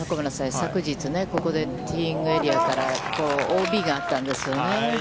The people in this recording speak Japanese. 昨日、ここでティーイングエリアからＯＢがあったんですよね。